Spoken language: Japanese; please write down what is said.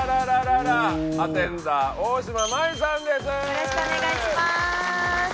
よろしくお願いします！